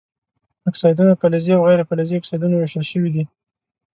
اکسایدونه فلزي او غیر فلزي اکسایدونو ویشل شوي دي.